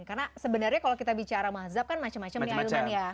karena sebenarnya kalau kita bicara mazhab kan macam macam ya